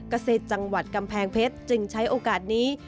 เกษตรจังหวัดกำแพงเพชรจึงใช้โอกาสนี้